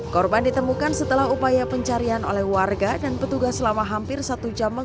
korban ditemukan setelah upaya pencarian oleh warga dan petugas selama hampir satu jam